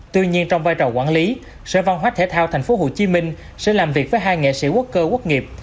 tuy nhiên trong vai trò quản lý sở văn hóa thể thao tp hcm sẽ làm việc với hai nghệ sĩ quốc cơ quốc nghiệp